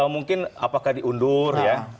mungkin apakah diundur ya